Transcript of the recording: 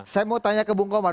saya mau tanya ke bung komar